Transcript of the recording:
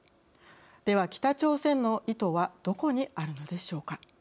では、北朝鮮の意図はどこにあるのでしょうか。